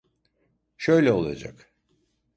Şöyle olacak.